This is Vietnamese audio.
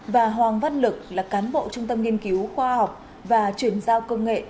và hoàng văn lực là cán bộ trung tâm nghiên cứu khoa học và chuyển giao công nghệ